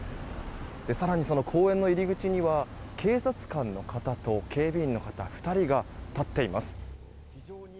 更に、その公園の入り口には警察官の方と警備員の方２人が立っています。